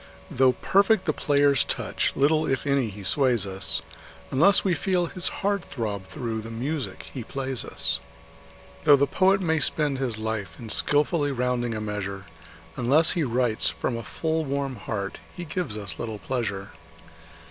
Though perfect the player's touch, little, if any, he sways us, Unless we feel his heart throb through the music he plays us. Though the poet may spend his life in skilfully rounding a measure, Unless he writes from a full, warm heart he gives us little pleasure.